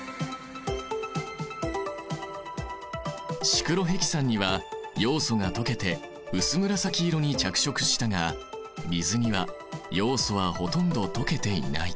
シクロヘキサンにはヨウ素が溶けて薄紫色に着色したが水にはヨウ素はほとんど溶けていない。